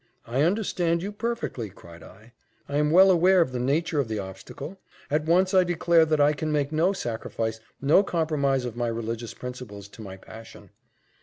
"I understand you perfectly," cried I. "I am well aware of the nature of the obstacle. At once I declare that I can make no sacrifice, no compromise of my religious principles, to my passion."